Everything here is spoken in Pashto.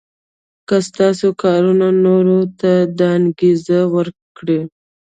که ستاسو کارونه نورو ته دا انګېزه ورکړي.